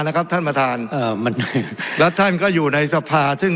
แล้วครับท่านประธานเอ่อมันและท่านก็อยู่ในสภาซึ่ง